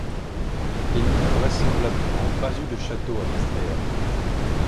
Il n’y a vraisemblablement pas eu de château à Westrehem.